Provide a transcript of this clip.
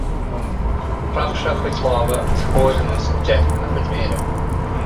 Chroch sé a chuid lámha agus chomhair anuas ó deich lena chuid méaracha.